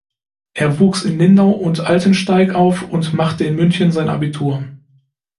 Er wuchs in Lindau und Altensteig auf und machte in München sein Abitur.